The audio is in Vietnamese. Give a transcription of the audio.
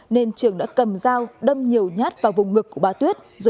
nên trường đã cầm dao đâm nhiều nhát vào vùng ngực của bà tuyết